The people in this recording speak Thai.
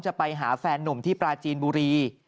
ไปหาแฟนนุ่มที่ปราจีนบุรี